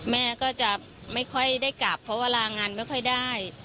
แม่ก็จะไม่ค่อยได้กลับเพราะว่าลางานไม่ค่อยได้